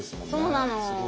そうなの。